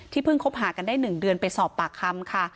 เพิ่งคบหากันได้๑เดือนไปสอบปากคำค่ะ